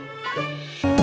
terima kasih pak chandra